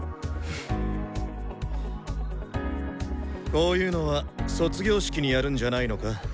こういうのは卒業式にやるんじゃないのか？